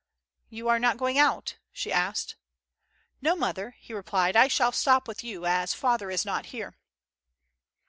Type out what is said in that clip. "You are not going out? " she asked. " No, mother,'' he replied. " I shall stop with you, as father is not here."